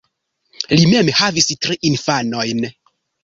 Li mem havis tri infanojn.